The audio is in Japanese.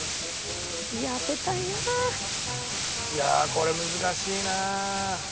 いやあこれ難しいな。